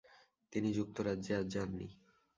তিনি যুক্তরাজ্যে আর যাননি।